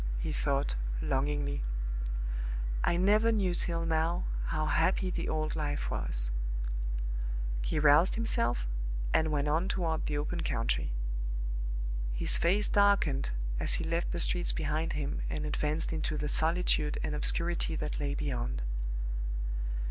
he thought, longingly. "I never knew till now how happy the old life was!" He roused himself, and went on toward the open country. His face darkened as he left the streets behind him and advanced into the solitude and obscurity that lay beyond.